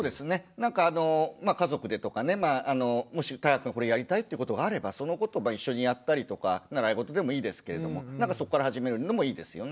なんかあのまあ家族でとかねもしたいがくんこれやりたいってことがあればそのことを一緒にやったりとか習い事でもいいですけれども何かそこから始めるのもいいですよね。